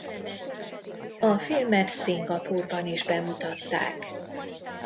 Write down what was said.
A filmet Szingapúrban is bemutatták.